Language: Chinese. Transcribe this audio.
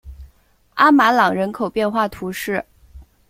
阿马朗人口变化图示